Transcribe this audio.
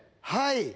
はい。